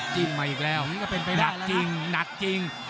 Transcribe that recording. จิ้มมาอีกแล้วนี่ก็เป็นไปได้แล้วนะหนักจริงหนักจริง